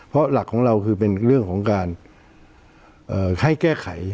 เพราะหลักของเราคือเป็นเรื่องของการให้แก้ไข